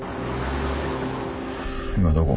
今どこ？